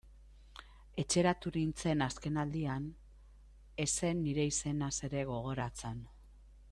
Etxeratu nintzen azken aldian, ez zen nire izenaz ere gogoratzen...